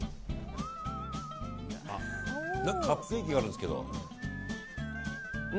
カップケーキがあるんですけど。